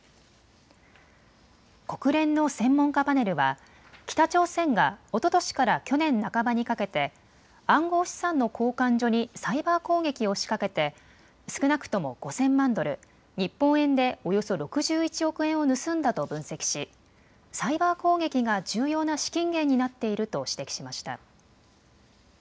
国連の専門家パネルは北朝鮮がおととしから去年半ばにかけて暗号資産の交換所にサイバー攻撃を仕掛けて少なくとも５０００万ドル、日本円でおよそ６１億円を盗んだと分析しサイバー攻撃が重要な資金源になっていると指摘しました。